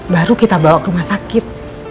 baru kita bawa ke rumah sakit